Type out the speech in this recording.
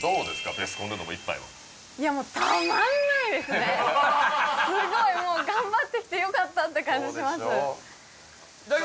ベスコンで飲む１杯はいやもうすごいもう頑張ってきてよかったって感じしますそうでしょ？